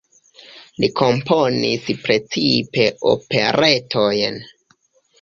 Li komponis precipe operetojn.